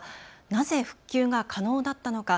なぜ復旧が可能だったのか。